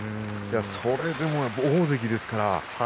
それでも大関ですからね。